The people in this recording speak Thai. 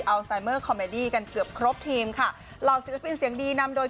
ไซเมอร์คอมเมดี้กันเกือบครบทีมค่ะเหล่าศิลปินเสียงดีนำโดย